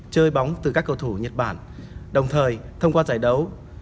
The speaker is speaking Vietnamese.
chơi bóng từ các cầu thủ nhật bản đồng thời thông qua giải đấu